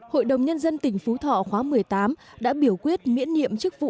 hội đồng nhân dân tỉnh phú thọ khóa một mươi tám đã biểu quyết miễn nhiệm chức vụ